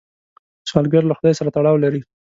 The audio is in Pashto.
سوالګر له خدای سره تړاو لري